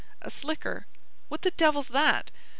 "A slicker." "What the devil's that?"